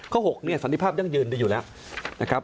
ข้อหกสัณฑิภาพยังยืนดีอยู่แล้ว